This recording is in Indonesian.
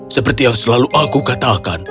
seperti yang selalu aku katakan